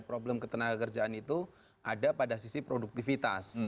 problem ketenaga kerjaan itu ada pada sisi produktivitas